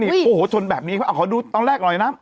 นี่โอ้โหชนแบบนี้ขอดูตั้งแรกหน่อยนะ